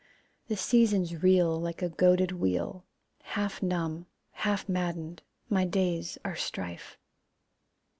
The seasons reel Like a goaded wheel. Half numb, half maddened, my days are strife.